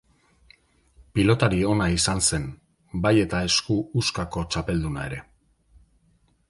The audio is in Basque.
Pilotari ona izan zen, bai eta esku huskako txapelduna ere.